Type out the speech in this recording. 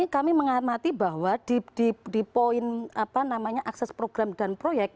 kami mengamati bahwa di poin akses program dan proyek